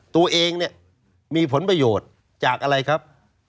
ตัวเองเนี่ยมีผลประโยชน์จากอะไรครับ